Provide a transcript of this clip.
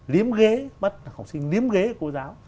liếm ghế bắt học sinh liếm ghế cô giáo